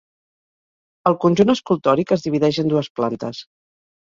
El conjunt escultòric es divideix en dues plantes.